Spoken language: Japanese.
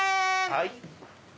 はい。